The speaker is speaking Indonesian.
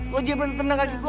lu jangan berani tendang kaki gue